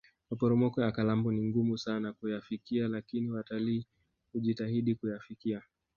maporomoko ya kalambo ni ngumu sana kuyafikia lakini watalii hujitahidi kuyafikia